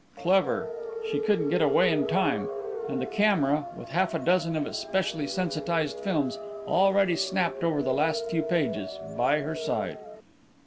"Clever! She couldn't get it away in time. And the camera, with half a dozen of its specially sensitized films already snapped over the last few pages, by her side!"